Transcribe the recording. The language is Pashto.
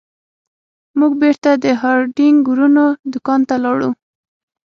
موږ بیرته د هارډینګ ورونو دکان ته لاړو.